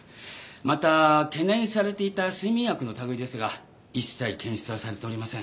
また懸念されていた睡眠薬の類いですが一切検出はされておりません。